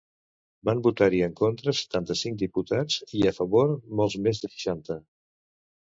Van votar-hi en contra setanta-cinc diputats i a favor molts més de seixanta.